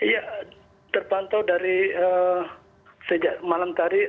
ya terpantau dari sejak malam tadi